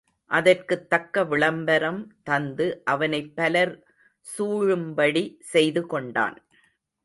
அதற்குத் தக்க விளம்பரம் தந்து அவனைப் பலர் சூழும்படி செய்துகொண்டான்.